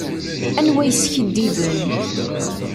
Anwa yeskidiben.